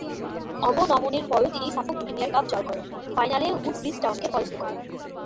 অবনমনের পরও তিনি Suffolk premier cup জয় করেন। ফাইনালে উডব্রিজ টাউনকে পরাজিত করেন।